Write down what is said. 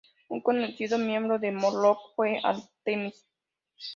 Un conocido miembro de Morlock fue Artemis.